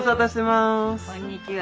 こんにちは。